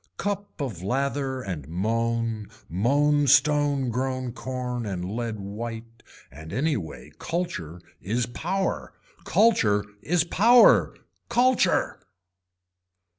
Cup of lather and moan moan stone grown corn and lead white and any way culture is power, Culture is power. Culture.